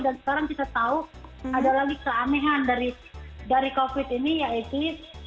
dan sekarang kita tahu ada lagi keanehan dari covid ini yaitu